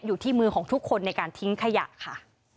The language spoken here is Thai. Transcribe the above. อยู่ที่มือของทุกคนในการทิ้งขยะค่ะ